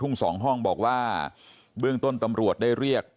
สองห้องบอกว่าเบื้องต้นตำรวจได้เรียก